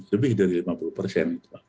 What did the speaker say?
lebih dari lima puluh persen